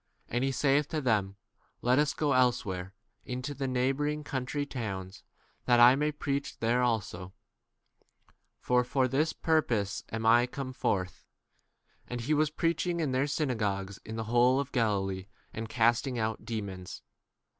38 And he saith to them, Let us go elsewhere m into the neighbouring country towns, that I may preach there also, for for this purpose am 39 I come forth. And he was preach ing in their synagogues in the whole of Galilee, and casting out demons.